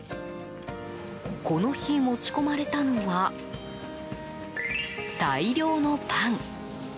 この日、持ち込まれたのは大量のパン。